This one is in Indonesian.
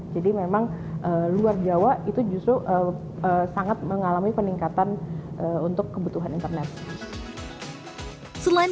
jadi memang luar jawa itu justru sangat mengalami peningkatan untuk kebutuhan internet selain